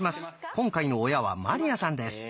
今回の親は鞠杏さんです。